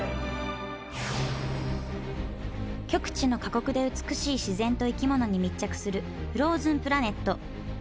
極地の過酷で美しい自然と生き物に密着する「フローズンプラネット」。